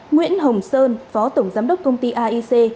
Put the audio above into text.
nguyễn hồng sơn phó tổng giám đốc công ty aic